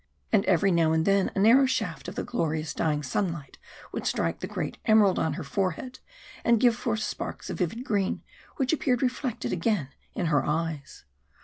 And every now and then a narrow shaft of the glorious dying sunlight would strike the great emerald on her forehead, and give forth sparks of vivid green which appeared reflected again in her eyes.